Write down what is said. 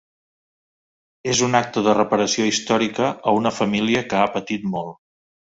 És un acte de reparació històrica a una família que ha patit molt.